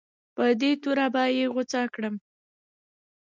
په دې توره به یې غوڅه کړم.